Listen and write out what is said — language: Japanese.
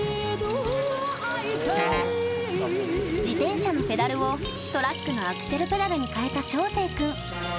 自転車のペダルをトラックのアクセルペダルに変えた翔星君。